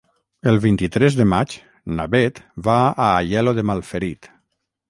El vint-i-tres de maig na Beth va a Aielo de Malferit.